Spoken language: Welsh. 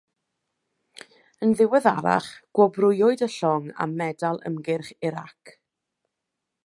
Yn ddiweddarach, gwobrwywyd y llong a Medal Ymgyrch Iraq.